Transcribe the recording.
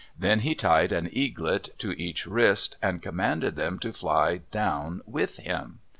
Then he tied an eaglet to each wrist and commanded them to fly down with him.